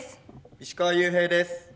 石川裕平です。